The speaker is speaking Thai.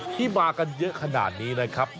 ที่มากันเยอะขนาดนี้นะครับ